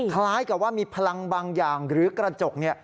คล้ายกับว่ามีพลังบางอย่างหรือกระจก